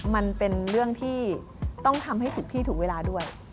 มันเป็นเรื่องที่ต้องทำให้ถูกที่ถูกเวลาด้วย